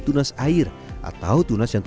untuk membuat tanah yang lebih mudah untuk dikembangkan